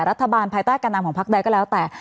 รัฐบาลภายใต้การนำของภาคใดก็แล้วแต่